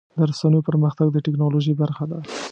د رسنیو پرمختګ د ټکنالوژۍ برخه ده.